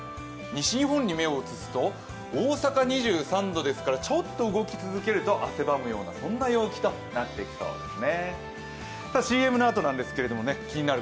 西日本に目を移すと大阪、２３度ですからちょっと動き続けると汗ばむようなそんな陽気になってきそうです